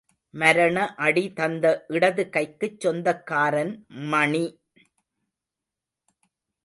மரண அடி தந்த இடது கைக்குச் சொந்தக்காரன் மணி.